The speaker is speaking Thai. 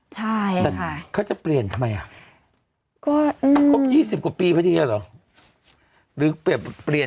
แต่เขาจะเปลี่ยนทำไม